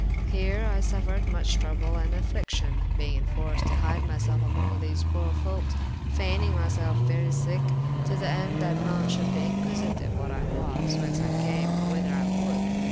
Heere I suffered muche trouble and affliction, beyng enforced to hyde myselfe among these poore folkes, fayning myselfe very sicke, to the ende that none should be inquisityue what I was, whence I came, or whyther I would.